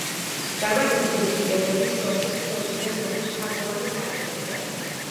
დარბაზის გრძივი კედლების შუაში თითო მცირე ზომის თაღოვანი სარკმელია.